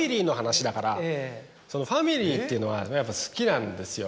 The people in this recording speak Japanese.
ファミリーっていうのはやっぱ好きなんですよ。